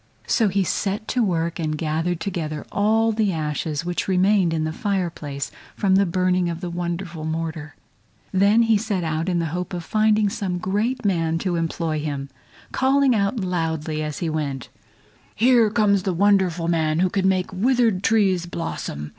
So he set to work and gathered together all the ashes which remained in the fire place from the burning of the wonderful mortar. Then he set out in the hope of finding some great man to employ him, calling out loudly as he went along: "Here comes the wonderful man who can make withered trees blossom!